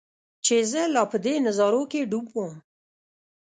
چې زۀ لا پۀ دې نظارو کښې ډوب ووم